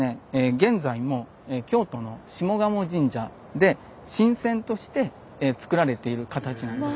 現在も京都の下鴨神社で神饌として作られている形なんです。